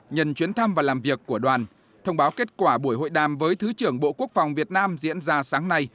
nhân chuyến thăm và làm việc của đoàn thông báo kết quả buổi hội đàm với thứ trưởng bộ quốc phòng việt nam diễn ra sáng nay